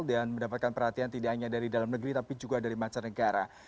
dan mendapatkan perhatian tidak hanya dari dalam negeri tapi juga dari macam negara